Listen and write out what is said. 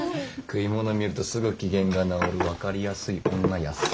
食いもの見るとすぐ機嫌が直る分かりやすい女ヤッサ。